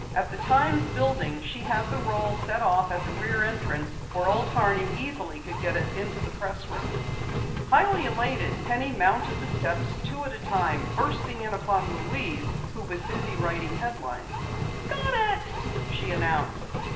At the Times building she had the roll set off at the rear entrance where Old Horney easily could get it to the press room. Highly elated, Penny mounted the steps two at a time, bursting in upon Louise who was busy writing headlines. "Got it!" she announced.